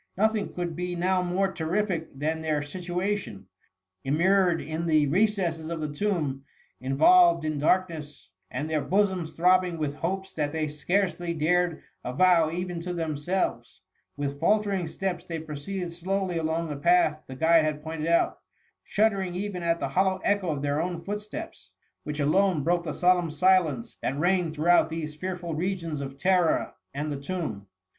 Nothing could be now more terrific than their situation: immured in the recesses of the tomb, involved in darkness, and their bosoms throbbing with hopes that they scarcely dared avow even to themselves ; with faltering steps they proceeded slowly along the path the guide had pointed out, shuddering even at the hollow echo of their own footsteps, which alone broke the solemn silence that reign THE MUMMY. Sll ed throughout these fearful regions of terror and the tomb.